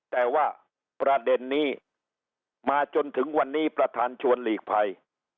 แต่ว่าประเด็นนี้มาจนถึงวันนี้ประธานชวนหลีกภัย